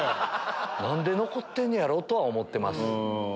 何で残ってんねやろ？とは思ってます。